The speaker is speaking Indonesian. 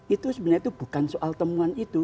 itu sebenarnya itu bukan soal temuan itu